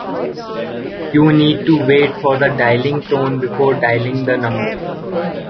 You need to wait for the dialling tone before dialling the number